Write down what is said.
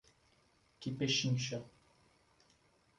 Que pechincha!